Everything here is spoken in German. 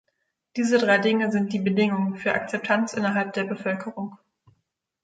Diese drei Dinge sind die Bedingung für Akzeptanz innerhalb der Bevölkerung.